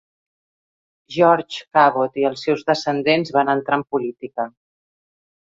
George Cabot i els seus descendents van entrar en política.